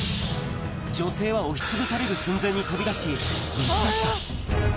女性は押しつぶされる寸前に飛び出し、無事だった。